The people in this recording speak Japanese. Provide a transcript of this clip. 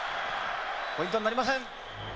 ポイントになりません。